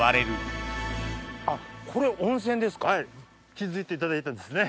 気付いていただいたんですね。